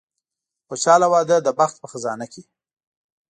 خوشاله واده د بخت په خزانه کې.